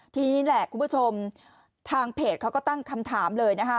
ทีนี้แหละคุณผู้ชมทางเพจเขาก็ตั้งคำถามเลยนะคะ